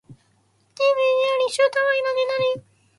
人生死あり、終端は命なり